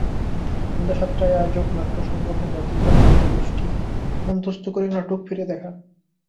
সন্ধ্যা সাতটায় আয়োজক নাট্য সংগঠন ব্যতিক্রম নাট্যগোষ্ঠী মঞ্চস্থ করে নাটক ফিরে দেখা।